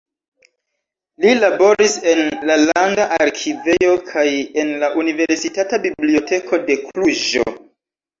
Li laboris en la Landa Arkivejo kaj en la Universitata Biblioteko de Kluĵo.